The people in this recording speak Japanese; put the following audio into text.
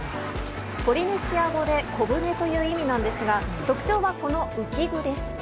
ポリネシア語で小舟という意味なんですが、特徴はこの浮き具です。